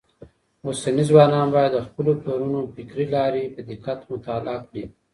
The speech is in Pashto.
اوسني ځوانان بايد د خپلو پلرونو فکري لاري په دقت مطالعه کړي.